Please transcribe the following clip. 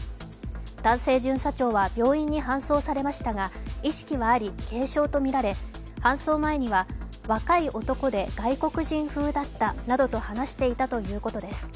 男性巡査長は病院に搬送されましたが、意識はあり軽傷とみられ、搬送前には若い男で外国人風だったなどと話していたということです。